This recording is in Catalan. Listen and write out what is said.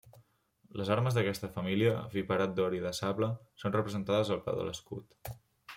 Les armes d'aquesta família, viperat d'or i de sable, són representades al peu de l'escut.